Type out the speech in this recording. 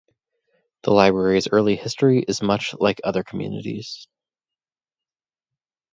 The library's early history is much like other communities.